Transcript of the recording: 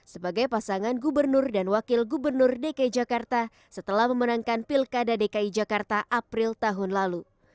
sebagai pasangan gubernur dan wakil gubernur dki jakarta setelah memenangkan pilkada dki jakarta april tahun lalu